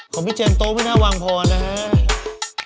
ของพี่เจมส์โต้ไม่ได้วางพอนะฮะ